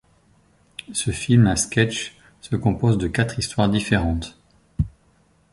Ce film à sketches se compose de quatre histoires différentes.